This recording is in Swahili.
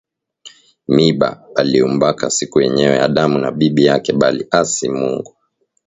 Miba baliumbaka siku yenyewe adamu na bibi yake bali asi Mungu